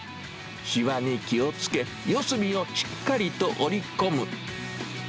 しわに気をつけ、四隅をしっかりと折り込む。